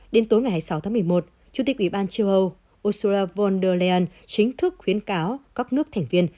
đến tối ngày hai mươi sáu tháng một mươi một chủ tịch ủy ban châu âu ursura von der leyen chính thức khuyến cáo các nước thành viên